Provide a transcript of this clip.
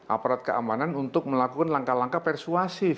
aparat keamanan untuk melakukan langkah langkah persuasif